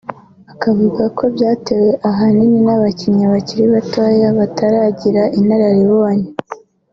akavuga ko byatewe ahanini n’abakinnyi bakiri batoya bataragira inararibonye